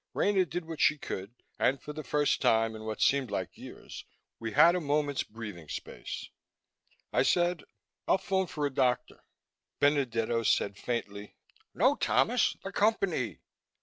Rena did what she could and, for the first time in what seemed like years, we had a moment's breathing space. I said, "I'll phone for a doctor." Benedetto said faintly, "No, Thomas! The Company!"